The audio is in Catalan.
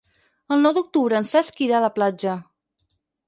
El nou d'octubre en Cesc irà a la platja.